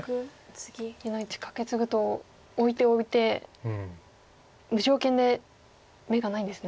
２の一カケツグとオイてオイて無条件で眼がないんですね。